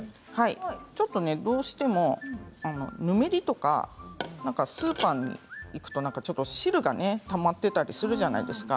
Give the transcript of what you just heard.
どうしても、ぬめりとかスーパーに行くと汁がたまっていたりするじゃないですか。